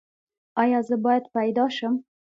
ایا زه باید پیدا شم؟